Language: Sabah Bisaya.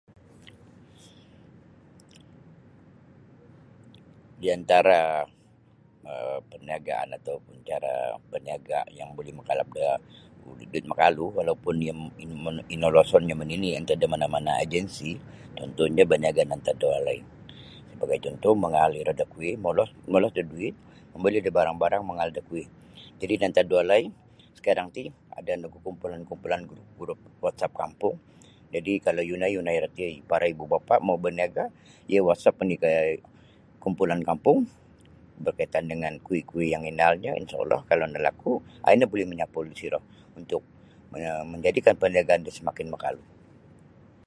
Di antara um perniagaan atau pun cara baniaga yang buli makalap da duit makalu walau pun yang inolosonnyo manini antad da da mana-mana ejensi cuntuhnyo baniaga antad da walai sebagai cuntuh mangaal iro da kuih molos da duit momoli da barang-barang mangaal da kuih jadi nantad da walai sekarang ti ada nogu kumpulan-kumpulan grup whatsapp kampung ino buli kalau yunai-yunai roti para ibu bapa mau baniaga iyo whatsapp oni berkaitan da kuih-kuih yang inaal do Insha Allah kalau nalaku ino buli manyapul disiro buli menjadikan perniagaan do semakin makalu.